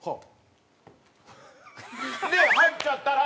で入っちゃったら。